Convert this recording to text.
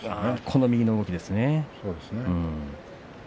この右の動きですね。